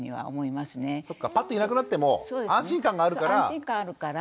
パッていなくなってもそう安心感があるから。